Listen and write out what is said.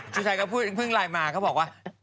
ชายก็พูดเพิ่งไลน์มาเขาบอกว่า